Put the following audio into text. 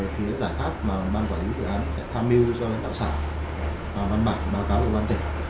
thì giải pháp mà ban quản lý dự án sẽ tham mưu cho lãnh đạo sản và văn bản báo cáo của văn tỉnh